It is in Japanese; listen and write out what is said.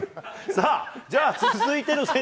さあ、じゃあ続いての千